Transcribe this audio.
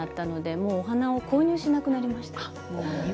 もうお花を購入しなくなりました。